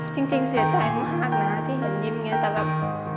จริงเสียใจมากนะที่เห็นยิ้มอย่างนี้แต่แบบ